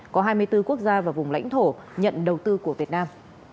có hai mươi bốn quốc gia và vùng lãnh thổ nhận đầu tư của việt nam